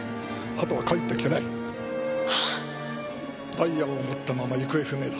ダイヤを持ったまま行方不明だ。